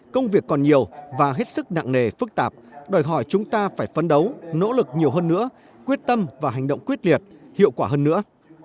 công việc còn nhiều và hết sức nặng nề phức tạp đòi hỏi chúng ta phải phấn đấu nỗ lực nhiều hơn nữa quyết tâm và hành động quyết liệt hiệu quả hơn nữa